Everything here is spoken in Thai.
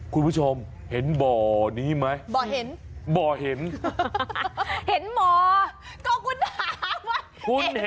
คุณผู้ชมเห็นบ่อนี่ไหมบ่อเห็นล